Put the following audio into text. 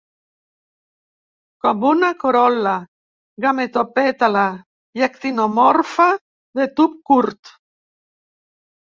Com una corol·la gamopètala i actinomorfa de tub curt.